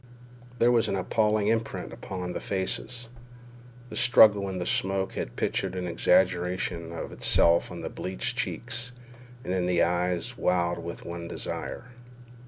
There was an appalling imprint upon these faces. The struggle in the smoke had pictured an exaggeration of itself on the bleached cheeks and in the eyes wild with one desire.